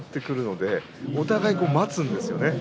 ですからお互い、待つんですよね。